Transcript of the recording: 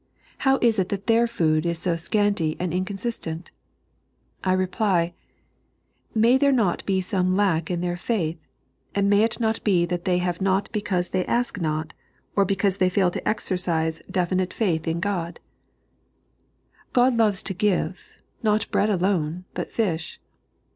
How is it that their food is so scanty and inconstant 1 I reply : May there not be some lack in their faith, and may it not be that they /uwe not because they ask nfa, or because they fail to exercise definite faith in Qod f God loves to give, not bread alone, but fish.